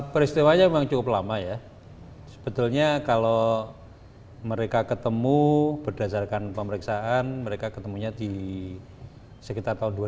peristiwanya memang cukup lama ya sebetulnya kalau mereka ketemu berdasarkan pemeriksaan mereka ketemunya di sekitar tahun dua ribu